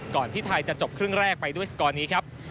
ที่ไทยจะจบครึ่งแรกไปด้วยสกอร์นี้ครับ